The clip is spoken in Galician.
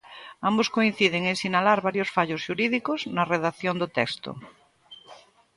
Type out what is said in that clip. Ambos coinciden en sinalar varios fallos xurídicos na redacción do texto.